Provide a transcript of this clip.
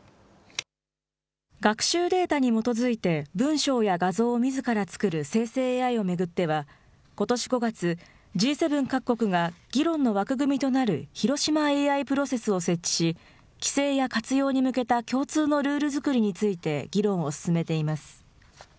学習データに基づいて文章や画像をみずから作る生成ＡＩを巡っては、ことし５月、Ｇ７各国が議論の枠組みとなる広島ＡＩプロセスを設置し、規制や活用に向けた共通のルール作りについて議論を進めています。